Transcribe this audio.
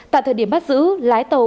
tại thời điểm bắt giữ lái tàu